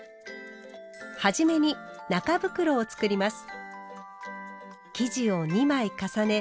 初めに中袋を作ります。